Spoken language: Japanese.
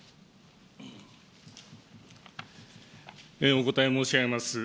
お答え申し上げます。